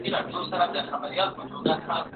د افغانستان علمي مرکزونه دې مېتود ته اړتیا لري.